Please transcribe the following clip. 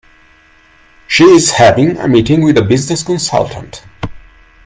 She is having a meeting with a business consultant.